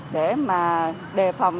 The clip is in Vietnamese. để mà đề phòng